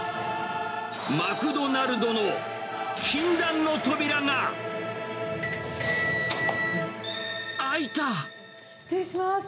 マクドナルドの禁断の扉が、失礼します。